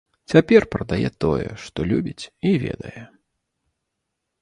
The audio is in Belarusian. Цяпер прадае тое, што любіць і ведае.